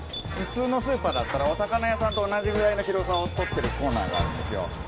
普通のスーパーだったらお魚屋さんと同じぐらいの広さをとってるコーナーがあるんですよ